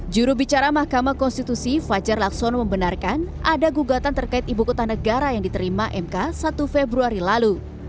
jurubicara mahkamah konstitusi fajar lakson membenarkan ada gugatan terkait ibu kota negara yang diterima mk satu februari lalu